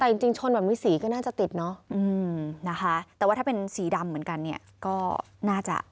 แต่จริงชนแบบนี้สีก็น่าจะติดเนอะนะคะแต่ว่าถ้าเป็นสีดำเหมือนกันเนี่ยก็น่าจะ